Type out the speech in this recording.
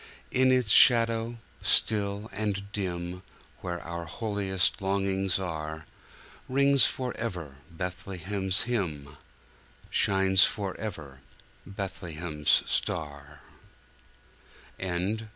In its shadow still and dim, Where our holiest longings are, Rings forever Bethlehem's hymn, Shines forever Bethlehem's star.